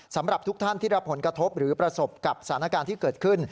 สำหรับทุกท่านที่รับผลกระทบหรือประสบกับสถานการณ์ที่เกิดขึ้น